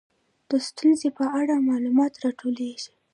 د ستونزې په اړه معلومات راټولیږي.